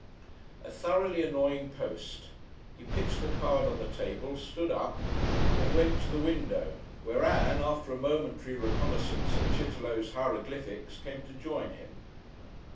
A thoroughly annoying post. He pitched the card on the table, stood up and went to the window, where Ann, after a momentary reconnaisance at Chitterlow's hieroglyphics, came to join him.